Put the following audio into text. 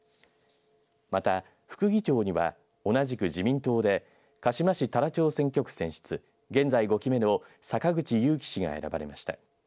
また、副議長には同じく自民党で鹿島市・太良町選挙区選出現在５期目の坂口祐樹氏が選ばれました。